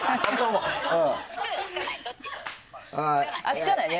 つかないね。